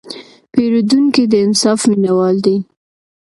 پیرودونکی د انصاف مینهوال دی.